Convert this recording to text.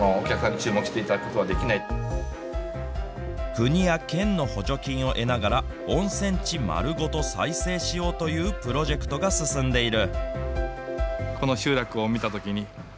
国や県の補助金を得ながら、温泉地丸ごと再生しようというプロジェクトが進んでいる。